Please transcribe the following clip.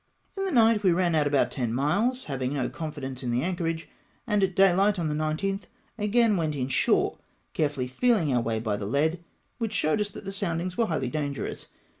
In the night we ran out about ten miles, having no confidence in the anchorage, and at daylight on the 19th again went in shore, carefully feeling our way by the lead, which showed us that the soundings were highly dangerous.